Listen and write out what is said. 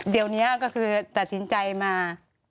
เดี๋ยวนี้ก็คือตัดสินใจมา